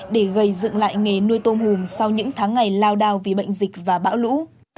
để gây dựng lại nghề nuôi tôm hùm sau những tháng ngày lao đao vì bệnh dịch và bão lũ